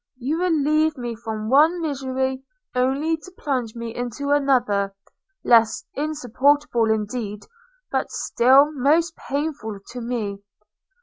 you relieve me from one misery only to plunge me into another, less insupportable indeed, but still most painful to me.